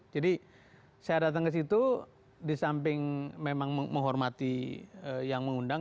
saya datang ke situ di samping memang menghormati yang mengundang